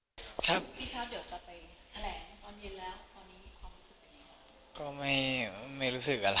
อันนี้จะไปแถลงตอนเย็นแล้วตอนนี้ความรู้สึกเป็นยังไง